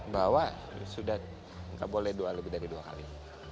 bahwa sudah tidak boleh lebih dari dua kali